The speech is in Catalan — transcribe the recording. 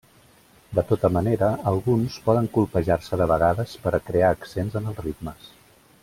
De tota manera alguns poden colpejar-se de vegades per a crear accents en els ritmes.